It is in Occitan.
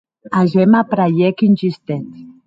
Ager m’apraièc un justet.